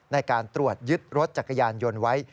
ในการตรวจยึดรถจักรยานยนต์ไว้